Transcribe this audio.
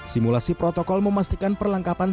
simulasi protokol memastikan perlengkapan